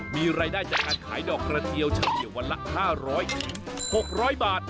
มีรายได้จากการขายดอกกระเทียวเฉลี่ยวันละ๕๐๐๖๐๐บาท